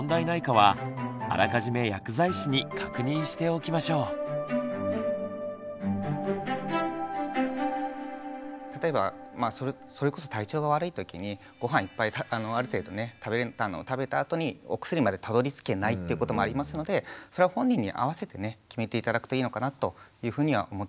ただし例えばそれこそ体調が悪い時にごはんいっぱいある程度食べたあとにお薬までたどりつけないってこともありますのでそれは本人に合わせて決めて頂くといいのかなというふうには思っています。